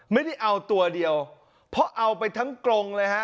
ไม่ได้เอาตัวเดียวเพราะเอาไปทั้งกรงเลยฮะ